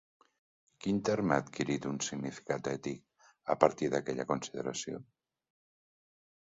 Quin terme ha adquirit un significat ètic a partir d'aquella consideració?